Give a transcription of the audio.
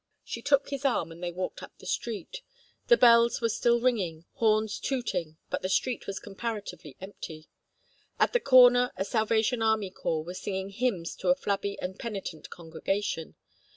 She took his arm and they walked up the street. The bells were still ringing, horns tooting, but the street was comparatively empty. At the corner a Salvation Army corps was singing hymns to a flabby and penitent congregation.